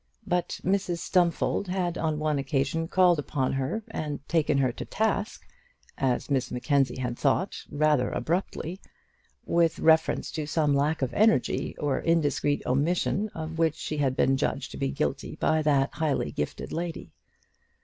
But Mrs Stumfold had on one occasion called upon her and taken her to task, as Miss Mackenzie had thought, rather abruptly, with reference to some lack of energy or indiscreet omission of which she had been judged to be guilty by that highly gifted lady.